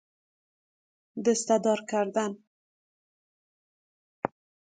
دسته دار کردن